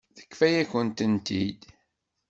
Tefka-yakent-t-id.